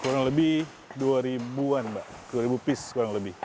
kurang lebih dua ribu an mbak dua ribu piece kurang lebih